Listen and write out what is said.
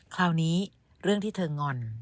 คราวนี้เรื่องที่เธองอน